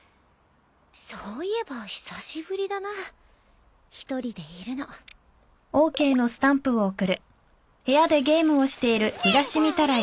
そういえば久しぶりだな一人でいるの。ねえダーリン。